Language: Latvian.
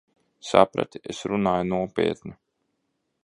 Saprati? Es runāju nopietni.